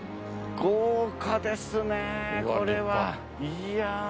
豪華ですねこれはいや。